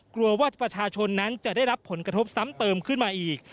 กลัวว่าประชาชนนั้นจะได้รับผลกระทบซ้ำเติมขึ้นมาอีก